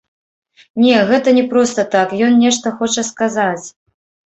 Не, гэта не проста так, ён нешта хоча сказаць.